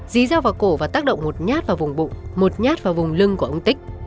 dí gieo vào cổ và tác động một nhát vào vùng bụng một nhát vào vùng lưng của ông tích